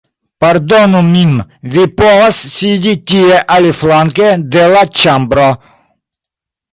Pardonu min vi povas sidi tie aliflanke de la ĉambro!